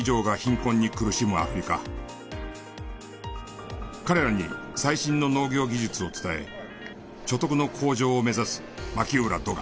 今も彼らに最新の農業技術を伝え所得の向上を目指す牧浦土雅。